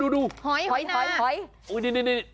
ดูหอยหน้า